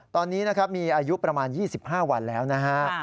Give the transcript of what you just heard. ตอนนี้มีอายุประมาณ๒๕วันแล้วนะครับ